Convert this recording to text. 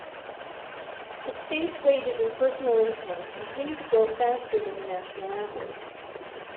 The state's wages and personal incomes continue to grow faster than the national average.